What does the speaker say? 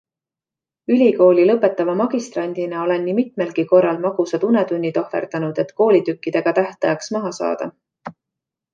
Ülikooli lõpetava magistrandina olen nii mitmelgi korral magusad unetunnid ohverdanud, et koolitükkidega tähtajaks maha saada.